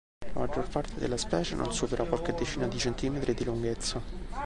La maggior parte delle specie non supera qualche decina di centimetri di lunghezza.